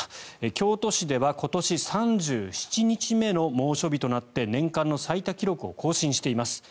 京都市では今年３７日目の猛暑日となって年間の最多記録を更新しています。